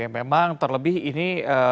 memang terlebih ini